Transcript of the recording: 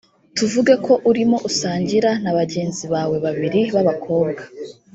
tuvuge ko urimo usangira na bagenzi bawe babiri b abakobwa